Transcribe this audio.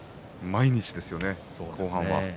毎日ですね後半は。